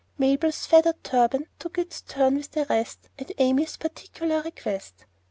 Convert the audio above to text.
Mabel's feathered turban took its turn with the rest, at Amy's particular request.